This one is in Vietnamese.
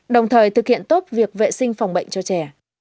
đồng thời thực hiện tốt việc vệ sinh phòng bệnh cho trẻ